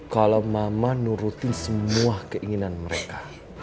kalau mama nuruti semua keinginan mereka